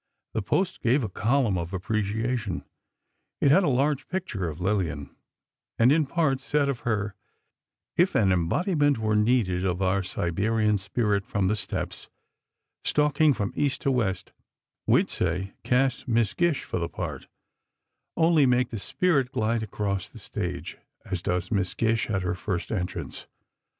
The Post gave a column of appreciation. It had a large picture of Lillian, and in part, said of her: If an embodiment were needed of our Siberian spirit from the steppes, stalking from East to West, we'd say cast Miss Gish for the part—only, make the spirit glide across the stage, as does Miss Gish at her first entrance....